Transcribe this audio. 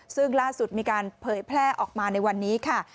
ซึ่งล่าสุดมีการเผยแพร่ออกมาในวันนี้ค่ะ